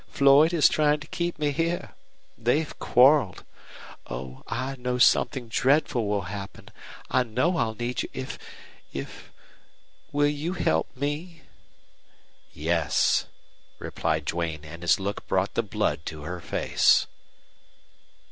Floyd is trying to keep me here. They've quarreled. Oh, I know something dreadful will happen. I know I'll need you if if Will you help me?" "Yes," replied Duane, and his look brought the blood to her face.